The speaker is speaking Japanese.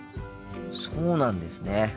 そうなんですね。